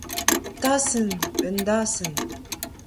tasenn, an dasenn